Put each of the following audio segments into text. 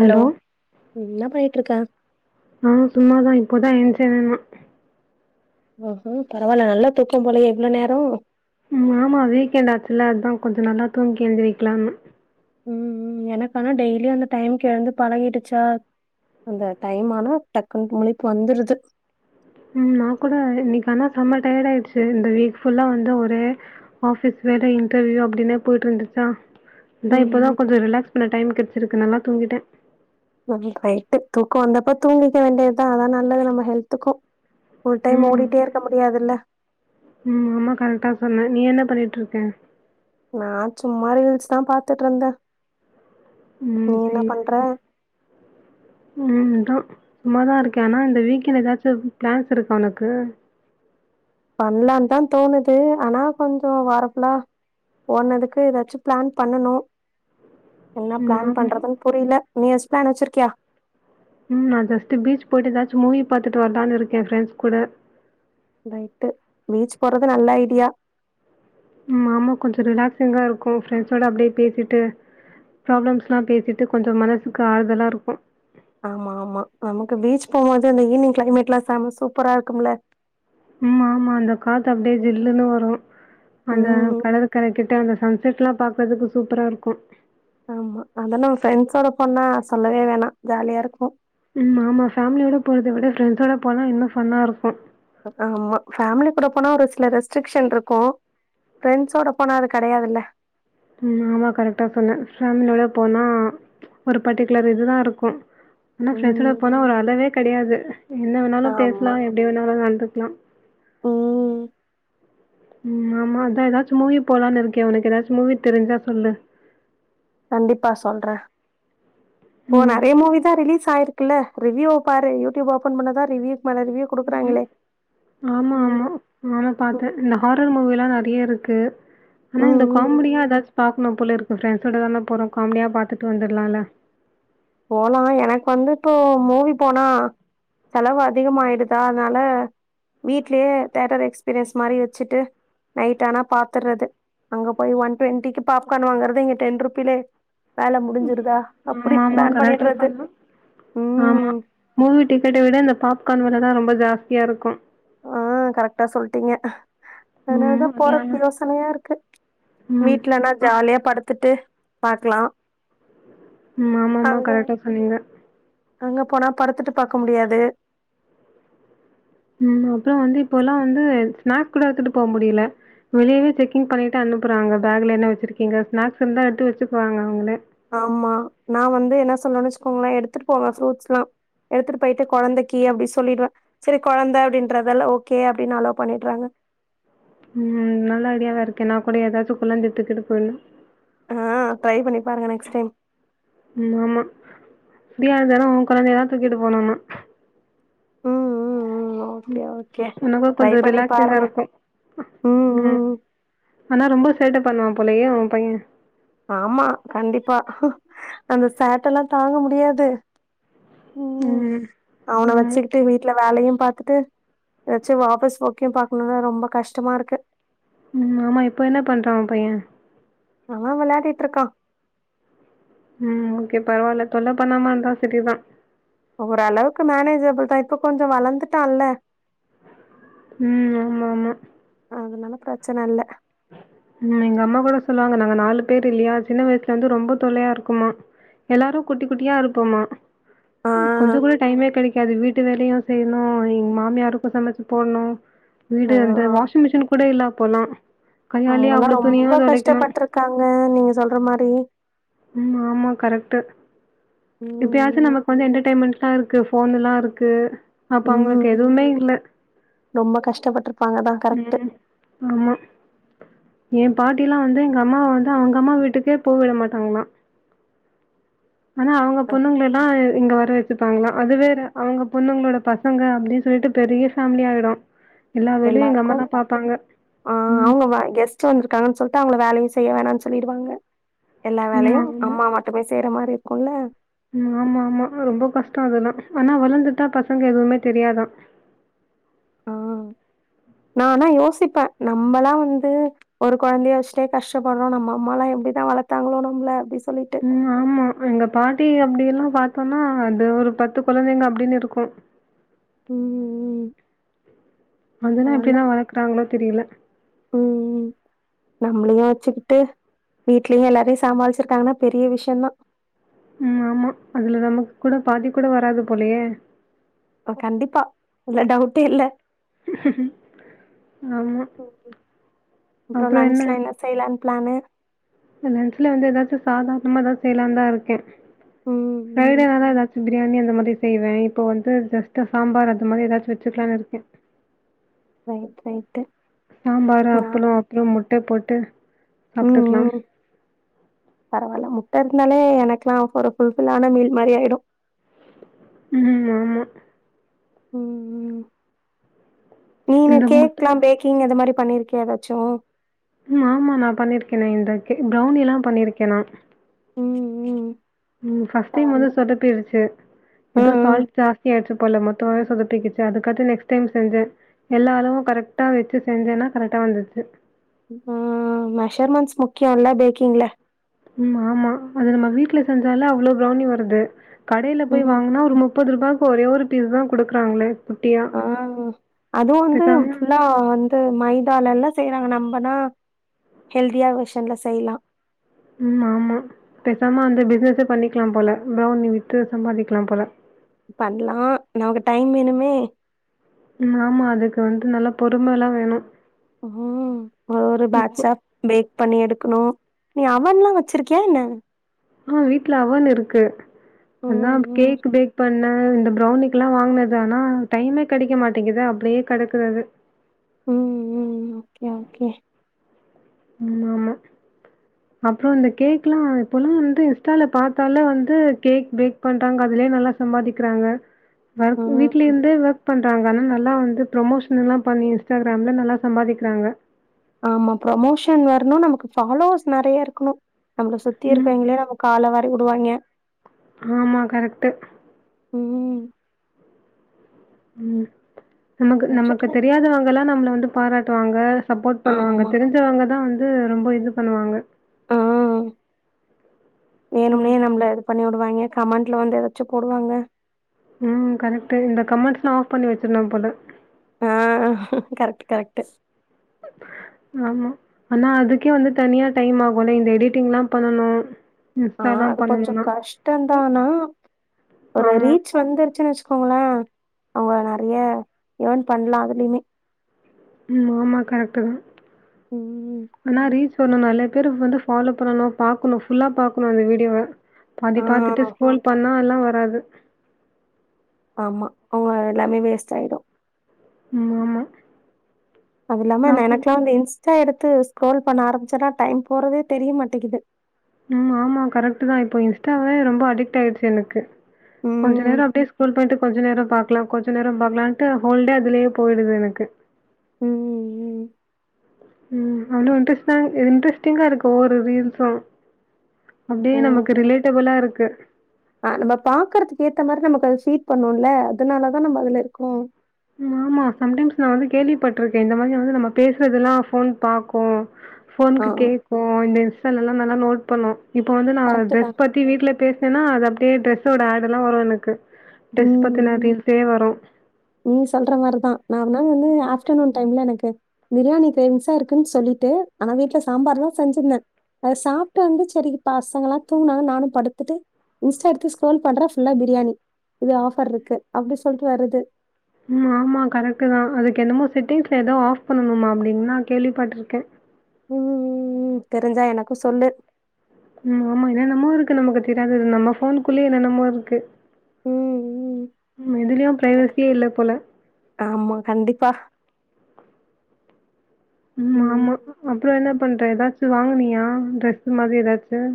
Hello என்னா பண்ணிட்டு இருக்கே [inaudible] ஆஹ் சும்மாதான் இப்போதான் என்சேயன் நான் ஹஹ பரவாயில்ல நல்ல தூக்கம் போல இவ்வளவு நேரம் உ ஆமா வீக்கெண்ட் ஆச்சல்ல அதுதான் கொஞ்சம் நல்லா தூங்கி எழுஞ்சிருக்கலாம்னு ம் எனக்க ஆனா டெய்லியும் அந்த டைம் குஎழந்து பழகிடுச்சா அந்த டைம் ஆனா டக்குன்ன முழிப்பு வந்துருது ம் நான் கூட இன்னைக்கு ஆனா செம்மர் டயர்ட் ஆயிடுச்சு இந்த வீக் புல்லா வந்து ஒரே ஆபிஸ் வேட இன்டர்வியூ அப்படின்னே போயிட்டு இருந்துச்சா அதான் ம் ம் இப்போதான் கொஞ்சம் ரிலாக்ஸ் பண்ண டைம் கிடைச்சிருக்கு அங்கு நல்லா தூங்கிட்டேன் ரைட்டு் தூக்கம் வந்தப்போ தூங்கிக்க வேண்டியதுதான் அதான் நல்லது நம்ம ஹெல்த்துக்கும் உம் ரொம்ப கரெக்டா சொன்னே நீ என்ன பண்ணிட்டு இருக்க ச நான் சும்மா ரீல்ஸ் தான் பார்த்துட்டு இருந்தேன் உம் சரி உம்ட சும்மாதான் இருக்கேன் ஆனா இந்த வீக்கண்ட் ஏதாச்சும் பிளான்ஸ் இருக்கா உனக்கு பண்லானு தான் தோணுது ஆனா கொஞ்சம் வரபல்லாம் போறதுக்கு ஏதாச்சும் பிளான் பண்ணணும் என்ன ம் பிளான் ஆமா பண்றதுன்னு புரியல எஸ் ப்ளான் வச்சிருக்கியா உம் நான் ஜஸ்ட் பீச் போயிட்டு ஏதாச்சும் மூவி பார்த்துட்டு வரலான்னு இருக்கேன்ஃப்ரெண்ட்ஸ் கூட ரைட்டு பீச் போறது நல்ல ஐடியா ம்மா கொஞ்சம் ரிலாக்ஸிசிங்கா இருக்கும் ஃப்ரெண்ட்ஸோட அப்படியே பேசிட்டு ப்ராப்ளம்ஸ் எலாம் பேசிட்டு கொஞ்சம் மனசுக்கு ஆறுதலா இருக்கும் ஆமா ஆமா நமக்கு பீச் போகும்போது இந்த ஈவி்னிங் கிளைமேட் எல்லாம் செம சூப்பரா இருக்கும்ல உம் ஆமா அந்த காத்து அப்படியே ஜில்லுன்னு வரும் அந்த ம் கடற் கரை கிட்ட அந்த ச செட்லாம் பா்கறதுக்கு சூப்பரா இருக்கும் ஆமா அத நம்ம ஃப்ரெண்ட்ஸோட போனா சொல்லவே வேணாம் ஜாலியா இருக்கும் ம் ஆமா ஃபேமிலியோட போறத விட ஃப்ரெண்ட்ஸோட போனா இன்ன ஃபன்னா இருக்கும் ஆ ஃபேமிலி கூட போனா ஒரு சில ரெஸ்ட்ரிக்ஷன் இருக்கும் ப்ரெண்ட்ஸோட போனா அது கிடையாதுல்ல உம் ஆமா கரெக்டா சொன்னே ஃபேமிலியோட போனா ஒரு பர்ட்டிகுலர் இதுதான் இருக்கும் ஆனா ப்ரெண்ட்ஸோட ம் போனா ஒரு அளவே கிடையாது என்ன வேனும்ணாலும் பேசலாம் எப்படி வேணாலும் நடந்து ந ஊம் ஆமா அதான் ஏதாச்சும் மூவி போலான்னு இருக்கேன் உனக்கு ஏதாச்சும் மூவி தெரிஞ்சா சொல்லு கண்டிப்பா சொல்றே இப்போ ம். நிறைய மூவி தான் ரிலீஸ் ஆயிருக்கு ல்ல ரிவியூ பாரு யூடியூப் ஓபன் பண்ணதான் ரிவியூ உம் ஆமா ஆமா ம் ஆமா பார்த்தேன் ம் இந்த ஹாரர் மூவி எல்லாம் நிறைய இருக்கு இருக்கு ஆனா ம் இந்த ம் காமெடியா ஏதாச்சும் பா போகும் போலஇருக்கு ஃப்ரண்டஸோட தானே போறோம் காமெடியா பார்த்துட்டு வந்துருலாம்ல போலாம் எனக்கு வந்து இப்போ மூவி போனா செலவு அதிகம் ஆயிடுதா அதனால வீடலயே தேயேட்டர் எக்ஸ்பீரியன்ஸ் மாதிரி வச்சுட்டு நைட் ஆனா பாத்துறது அங்க போய் ஒன் டுவெண்ட்டிக்கு பாப்கார்ன் வாங்குறது இங்க டென் ருப்பில வேலை ம். முடிஞ்சிருதா அப்டிப் ஆமாமா. ஆமா மூவி டிக்கெட்டை விட இந்த பாப்கார்ன் விலை தான் ரொம்ப ஜாஸ்தியா இருக்கும் ஆஹ் கரெக்டா சொல்லிட்டீங்க ம் அதனாலதான் அதான. போறது யோசனையா இருக்கு ம் வீடலனா ஆ ஜாலியா படுத்துட்டு பாக்கலாம் ம் ஆமா ஆமா கரெக்டா சொன்னீங்க அங்க போனா படுத்துட்டு பாாரக்க முடியாது உஹம் அப்புறம் வந்து இப்ப எல்லாம் வந்து ஸ்நாக்ஸ் கூட எடுத்துட்டு போக முடியல வெளியவே செக்கிங் பண்ணிட்டு அனுப்புறாங்க பேக்ல என்ன வச்சிருக்கீங்க ஸ்நாக்ஸ் இருந்தா எடுத்து வச்சுக்குவாங்க அவங்களே ஆமா நான் வந்து என்ன ல்லச்சக்கோங்களேன் எடுத்துட்டு போவேன் ஃப்ரூட்ஸ் எல்லாம் எடுத்துட்டு போயிட்டு குழந்தை கீ அப்படி சொல்லிடுன் சரி குழந்தை அப்படின்றதெல்ல ஓகே அப்படின்னு அலோ பண்ணிடுறாங்க உம் நல்ல ஐடியாவா இருக்கே நான் கூட ஏதாவது குழந்தையை தூக்கிட்டு போயிடனும் ஆஹ் ட்ரை பண்ணி பாருங்க நெக்ஸ்ட் டைம் உ ஆமா தடிய தரம் உன் குழந்தைல்லாம் தூக்கிட்டு போனோனா ஹம் ஹம் உஹம் உனக்கு கொஞ்சம் ரிலாக்டிங்கா பாருங்க இருக்கும் ம் ம் ம் ஆனா ரொம்ப பண்ணுவான் போலையே அவன் பையன் ஆமா கண்டிப்பா அந்த சேட்டெல்லாம் தாங்க முடியாது உஹம் ம் அவனை ஆமா வச்சுக்கிட்டு வீட்டுல வேலையும் பாத்துட்டு ஏதாச்சும் வாபஸ் போக்கியும் பாக்கணும்னா ரொம்ப கஷ்டமா இருக்கு உம் ஆமா இப்ப என்ன பண்றான் உ பையன் ஆமா விளையாடிட்டு இருக்கான் உம் ஓகே பரவாயில்ல தொல்ல பண்ணாம இருந்தா சரிதான் ஓரளவுக்கு மேனேஜபிள் தான் இப்ப கொஞ்சம் வளர்ந்துட்டான்ல உம் ஆமா ஆமா அதனால பிரச்சனை இல்ல உம் எங்க அம்மா கூட சொல்லுவாங்க நாங்க நாலு பேர் இல்லையா சின்ன வயசுல வந்து ரொம்ப தொலையா இருக்குமா எல்லாரும் குட்டி குட்டியா இருப்போமா ஆ கொஞ்சம் கூட டைமே கிடைக்காது வீட்டு வேலையும் செய்யலும் எங்க மாமியாருக்கும் சமைச்சு போடணும் ஆ வீடு அந்த வாஷிங் மிஷின் கூட இல்ல அப்பல்லாம் கையால அவங்கல்லா அவள துணிய ரொம்ப துவைக்கணும் கஷ்டப்பட்ருக்காங்க நீங்க சொல்ற மாரி உம் ஆம கரெக்ட் இப்பயாவது ம் நம்ம கொஞ்சம் என்டர்டெயின்மென்ட் [unintelligible] இருக்கு போன் எல்லாம் இருக்கு அப்ப ம் அவங்களுக்கு ம் எதுவுமே இல்ல ரொம்ப கஷ்டப்பட்ருப்பாங்கதா கரெக்ட்டு உம் ஆமா என் பாட்டி எல்லாம் வந்து எங்க அம்மாாவ வந்து அவங்க அம்மா வீட்டுக்கே போவிட மாட்டாங்களாம் ஆனா அவங்க பொண்ணுங்க எல்லாம் இங்க வர வச்சுப்பாங்களாம் அது வேற அவங்க பொண்ணுங்களோட பசங்க அப்படின்னு சொல்லிட்டு பெரிய பேஃபேமிலி ஆயிடும் எல்லா வேலையும் எங்க அம்மா எல்லாருக்கு தான் பார்ப்பாங்க ஆ ம் அவங்க வ கெஸ்ட் வந்திருக்கான்னு சொல்லிட்டு அவங்க வேலையும் செய்யவேணாம்னு சொல்லடுவாங்க எல்லா ம் வேலையும் ஆமா அம்மா மட்டுமே செய்யற மாதிரி ஒல ஆமா ஆமா ரொம்ப கஷ்டம் அததெல்லாம் ஆனா வளர்ந்துட்டா பசங்க எதுவுமே தெரியாதான் நானா யோசிப்பேன் நம்மல்லாம் வந்து ஒரு குழந்தைய வச்சுிட்டே கஷ்டப்படுறோம் நம்ம அம்மயெல்லாம் எப்படிதான் வளர்த்தாங்களோ நம்மள அப்படி உம் ஆமா எங்க பாட்டி அப்படி எல்லாம் பார்த்தோம்னா அது ஒரு பத்து குழந்தைங்க அப்படின்னு இருக்கும் உஹம் உ உம் அதுல்லாம் எப்டிதான் வளர்க்குறாங்களோ தெரியல ம் நம்மளயும் வச்சுக்கிட்டு வீட்லயும் எல்லாரையும் சமாளிச்சிருக்காங்கன்னா பெரிய விஷயம்தான் ம் ஆமா அதுல நமக்கு கூட பாதி கூட வராது போலையே கண்டிப்பா இல்ல டவுட்ட இல்ல ஆமா அப்பறம் என்ன பிளனு லன்ஞ்சுல வந்து ஏதாச்சும் சாதாரணமாாதான் செய்யலாம் தான் இருக்கேன் ம் டைரி ம் நல்லா ஏதாச்சும் பிரியாணி அந்த மாரி செய்வேன் இப்போ வந்து ஜஸ்ட் சாம்பார் அது மாரி ஏதாச்சும் வச்சுக்கலாம்னு இருக்கேன் ரய்ட்டு ரய்ட்டு சாம்பார் அப்பளம் அப்பறம் முட்ட போட்டு எட்டு உம் உம் பரவாயல்ல மு இருனாலே எனக்குெல்லாம் ல்பில்ன மீல் மாரி ஆயிடும் ம் ஆமா ம் ம் நீ இந்த கேக் முட்டை எலாம் பேக்கிங் மாரி பண்ணிருக்கியா ஏதாச்சும் ஆமா நான் பண்ணிருக்கேன் இந்பெளநீர் எல்லாம் பண்ணிருக்கேன் நா ம் ம் ம் பஸ்ட் டைம் பரவால்ல வந்து சொல்ல போய்டுச்சு ஆ ஏதோ சால்ட் ஜாஸ்தி ஏச்சி போல மொத்தமாகவே சுதுப்பிச்சு அதுக்காகத்து நெக்ஸ்ட் டைம் செஞ்சேன் எல்லா அளவும் கரெக்டா வச்சு செஞ்சேன்னா கரெக்டா வந்துச்சு ம் மெஷர்மன்ஸ் முக்கியம்ல்ல பேக்கிங்கள ம் ஆமா அது நம்ம வீட்டுல செஞ்சால அவ்வளவு ப்பெளனி வருது கடயில போய் ம் வாங்கனா ஒரு முப்பது ரூபா ஒரே ஒரு பீஸ் தான் குடுக்குறாங்களே குட்டியா. ஆ அதுவும் வந்து பேசாம புஃபுல்லா வந்து மைதாள எல்லாம் செய்றாங்க நம்மனா ஹெல்தியா விஷயன்ல செய்யலாம் உமா ஆமா பேசாம அந்த பிசினஸ பண்ணிக்கலாம் போல பௌனி விட்டு சம்பாதிக்கலாம் போல பண்ணலாம் நமக்கு டைம் வேணுமே ஆமா அதுக்கு வந்து நல்லா பொறுமை எல்லாம் வேணும் ம் அவரு இப்போ பாசாப் பேக் பண்ணி எடுக்கணும் நீ அவுல்லாம் வச்சிருக்கியா என்ன ஆஹ வீட்டுல அவ்வுல் இருக்கு அத ம் ம் கேக் பேக் பண்ண என்ன இந்த பிரௌனிக்கு எல்லாம் வாங்கினது ஆனா டைமே கெடைக்க மாட்டேங்குத அப்டியே கிடக்கு ம் ம் ஓகே ஓகே ம்ம் ஆமா அப்பறம் இந்த கேக் எல்லாம் இப்ல்லாம் வந்து இன்ஸ்டால பாத்தால வந்து கேக் பேக் பண்றாங்க அதுலயே நல்லா சம்பாதிக்கிறாங்க வ வீட்ல ம் இருந்து ஒர் பண்றாங்கனா நல்லா வந்து ப்ரமோஷன் எல்லாம் பண்ணி இன்ஸ்டாகிராம்ல நல்லா சம்பாதிக்கிறாங்க ஆமா ப்ரமோஷன் வரணும் நமக்கு ஃபாலோஸ் நெறைய இருக்கணும் நம்மள சுத்தி ம். இருக்கவங்களே நம்ம கால வாரி உடுவாங் கிய ஆமா கரெக்டு ம் உம் நமக்கு நமக்கு நெஜமே. தெரியாதவங்க எல்லாம் நம்மள வந்து பாராட்டுவாங்க சப்போர்ட் பண்ணுவாங்க ஆமா. தெரிஞ்சவங்க தான் வந்து இது ரொம்ப இது பண்ணுவாங்க ஆ வேணும்னே நம்மள இது பண்ணிவிட ங்க கமெண்ட்ல வந்து ஏதாச்சும் போடுவாங்க ம் கரெக்ட் இந்த கமெண்ட்ஸ்ல்லாம் ஆஃப் பண்ணி வச்சரானும் போல ஆ கரக்ட் கரக்ட் ஆமா ஆனா அதுக்கே வந்து தனியா டைம் ஆகும்ல இந்த எடிட்டிங் எல்லாம் பண்ணணும் ஆ இன்ஸ்டாலாம் அது கொஞ்சம் பண்ணணும்னா. கஷ்டம ம். தானா ஒரு ஆமா. ரீச் வந்துருச்சுன்னு கோங்கள அவங்க நெறைய ஈன் பண்ணலாம் அதுலயுமே ம் ஆமா கரெக்ட் தான் ம் ஆன ரீச் ஸ நெறைய பேர் வந்து ஃபாலோ பண்ணணும் ஃபுல்லா பாக்கணும் அந்த வீடியோவ பாதி ஆ பாத்துட்டு ஸ்குரோல் பண்ணாலாம் வராது ஆமா அவங்க எல்லாமே வேஸ்ட் ஆயிடும் ஆமா அதுயில்லாம நான் கூட எனக்குகளம் இன்ஸ்ட் எடுத்து ஸ்க்ரோல் பண்ண ஆரம்பிச்சேன்னா டைம் போறதே தெரிய மாட்டேங்கிது உம் ஆமா கரெக்ட் தான் இப்போ இன்ஸ்டாவே ரொம்ப அடிக்ட் ஆயிடுச்சு எனக்கு கொஞ்சம் ம். நேரம்ப்படியே ஸ்குரோல் பண்ணிட்டு கொஞ்ச நேரம் பாக்கலாம் கொஞ்சம் நேரம் பாக்கலாம்ட்டு ஹோலிடே அதுலேயே போயிடுது எனக்கு ம் ம் ம் அவளும் இன்ட்ரெஸ்ட் இன்ட்ரெஸ்டிங்கா இருக்கும் ரீல்ஸும் அப்டியே ஓ! நமக்கு ரிலேட்டபிளா இருக்கு சீட் பண்ணும்ல அதனால தான் நம்ம அதுல இருக்கும் ஆமா சம்டைம்ஸ் நான் வந்து கேள்விப்பட்டிருக்கேன் இந்த மாதிரி வந்து நம்ம பேசுறதல்லாம் போன் பாக்கும் ஆ. போனுக்கு கேக்கும் இந்த இன்ஸ்டல்லாம் நல்லா நோட் பணம் இப்ப வந்து நான் கரெக்ட்டு தான். டிரெஸ் பத்தி வீட்டுல பேசினேன்னா அது அப் ஏ டிரெஸ்ஸோட ஆடர்யெல்லாம் வரும் எனக்கு டிரெஸ் ம். பத்தின ம். ரீல்ஸே வரும் நீ சொல்ற மாதிரிதான் நானும் வந்து ஆஃப்டர்நூன் டைம்ல எனக்கு பிரியாணி தோனிட்டு இருக்குன்னு சொல்லிட்டு ஆனா வீட்டுல சாம்பார் தான் செஞ்சிருந்தேன் அதை சாப்பிட்டு வந்து சரிப்ப பசங்கயெல்லாம் தூங்கினாங்க நானும் படுத்துட்டு இன்ஸ்டா எடுத்து ஸ்க்ரோல் பண்றேன் ஃபுல்லா பிரியாணி இது ஆஃபர் இருக்கு அப்படி சொல்லிட்டு வருது உம் ஆமா கரெக்ட்டு தான் அதுக்கு என்னமோ செட்டிங்ஸ்ல ஏதோ ஆஃப் பண்ணணுமா அப்படின்னு நான் கேள்விப்பட்டிருக்கேன் உம் உம் உம் தெரிஞ்சா எனக்கும் சொல்லு ம் ஆமாங்க நம்மோ ஊருக்குள்ள இருக்குறது நமக்கு தெரியாது நம்ம போனுக்குள்ளயே என்னன்னம்மோ இருக்கு ம், ம். ம் எதுலயும் ஓகே. பிரைவசியே இல்லை போல ஆமா, கண்டிப்பா. உம் ம். ஆமா அப்புறம் என்ன பண்ற ஏதாச்சு வாங்கினியா ட்ரெஸ்ஸு மாதிரி ஏதாச்சும்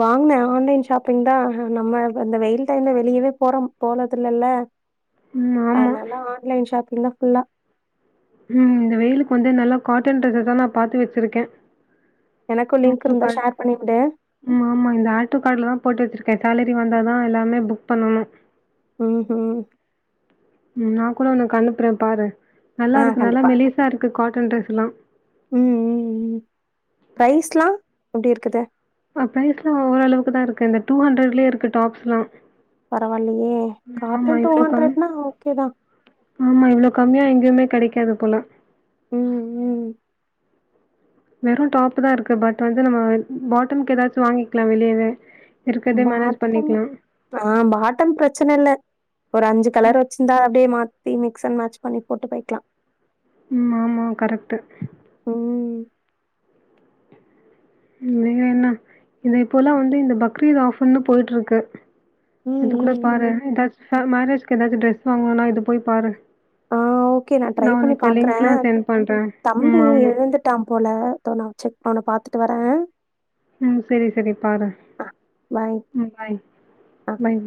வாங்கினேன் ஆன்லைன் ஷாப்பிங் தான் நம்ம இந்த வெயில் டைம்ல வெளியவே போறோம் போனதில்லைல ம். ஆமா. அதனால்லா ஆன்லைன் ஷாப்பிங் இல்ல போலாம் உம் இந்த வெயிலுக்கு வந்து நல்லா காட்டன் ட்ரெஸ் தான் நான் பாத்து வச்சிருக்கேன் எனக்கும் லிங்க் ஆர்டோ இருந்தா கார்டு ஷேர் பண்ணி விடு. உம் ஆமா இந்த ஆர்டோ கார்டுலதான் போட்டு வச்சிருக்கேன் சேலரி வந்தாதான் எல்லாமே புக் பண்ணணும் உம் உம் உம் நான் கூட உனக்கு அனுப்புறேன் பாரு நல்லா ஆ இருக்கு நல்லா மெலிசா இருக்கு காட்டன் ட்ரெஸ்லாம் உம் உம் உம் பரைஸ் எல்லாம் எப்படி இருக்குது பரைஸ் எல்லாம் ஓரளவு தான் இருக்கு இங்க டூ ஹண்ட்ரட்லயே இருக்கு டாப்ஸ் எல்லாம் பரவாயில்லையே காரட்டன் டூ கம்மி ஹண்ட்ரட்னா ஓகேதான் இருக்கலாம் உம் உம் வெறும் டாப் தான் இருக்கு பட் வந்து நம்ம பாட்டம்க்கு ஏதாச்சும் வாங்கிக்கலாம் வெளியவே இருக்கறதே மேனேஜ் பாட்டம் பண்ணிக்கலாம். ஆஹ பாட்டம் பிரச்சனை இல்லை ஒரு அஞ்சு கலர் வச்சிருந்தா அப்படியே மாத் தி மிக்ஸ்சா மேட்ச் பண்ணி போட்டு போய்கக்கலாம் ஆமா கரெக்ட்டு ம். இனிமே என்ன இத இப்போல்லாம் வந்து இந்த பக்ரீத் ஆஃபர்ன்னு போயிட்டு இருக்கு ம், அது கூட ம், ம். பாருன் ஏதாச்சும் மேரேஜ்க எதாச்சும் டிரெஸ் வாங்குவும்னா இது போய் பாரு ஆ ஓகே நான ட்ரை நான் பண்ணி உனக்கு பாக்குறேன் லிங்க்லாம் சென்ட் பண்றேன். ம். தம்பி ஆமா. எழுந்துட்டான் போலோ நான் செக் பண்ண பா த்துட்டு வரேன் உம் செரி செரி பாரு ஆ பாய். ம் பாய் ஆ பை. பாய்